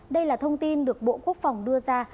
đây là thông tin được bộ quốc phòng đưa ra